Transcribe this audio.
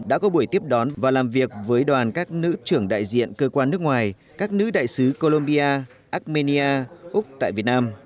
đã có buổi tiếp đón và làm việc với đoàn các nữ trưởng đại diện cơ quan nước ngoài các nữ đại sứ colombia armenia úc tại việt nam